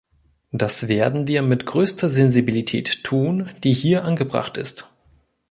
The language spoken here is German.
Das werden wir mit größter Sensibilität tun, die hier angebracht ist.